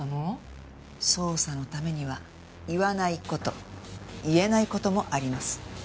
捜査のためには言わない事言えない事もあります。